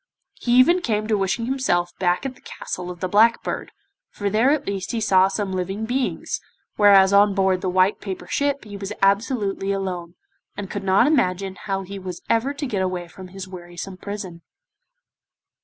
He even came to wishing himself back at the Castle of the Black Bird, for there at least he saw some living beings, whereas on board the white paper ship he was absolutely alone, and could not imagine how he was ever to get away from his wearisome prison.